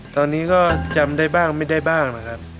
ตอนนี้ก็จำได้บ้างไม่ได้บ้างนะครับ